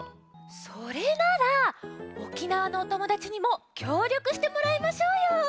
それなら沖縄のおともだちにもきょうりょくしてもらいましょうよ。